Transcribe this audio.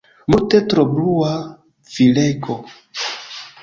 Multe tro blua, virego.